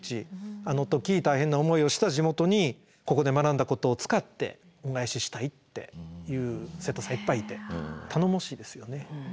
あの時大変な思いをした地元にここで学んだことを使って「恩返ししたい」っていう生徒さんいっぱいいて頼もしいですよね。